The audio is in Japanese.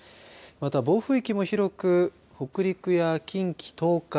また、暴風域も広く北陸や近畿、東海